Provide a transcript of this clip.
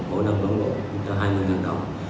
mỗi năm đồng bộ cho hai mươi người lao động